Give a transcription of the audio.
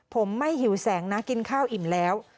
ผมไม่หิวแสงนะกินข้าวอิ่มแล้ว